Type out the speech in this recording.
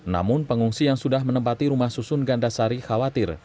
namun pengungsi yang sudah menempati rumah susun gandasari khawatir